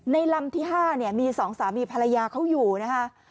ในลำที่๕มี๒สามีภรรยาเขาอยู่นะคะ